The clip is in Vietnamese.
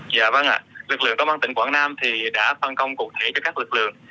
dạ vâng ạ lực lượng công an tỉnh quảng nam thì đã phân công cụ thể cho các lực lượng